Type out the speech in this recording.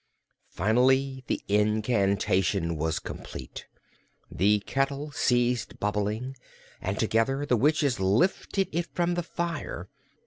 Finally the incantation was complete. The kettle ceased bubbling and together the witches lifted it from the fire.